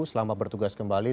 selamat bertugas kembali